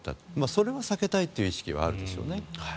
それは避けたいという意識はあるでしょうね。